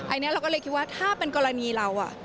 อันนี้เราก็เลยคิดว่าถ้าเป็นกรณีเรา